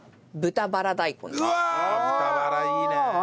豚バラいいねえ。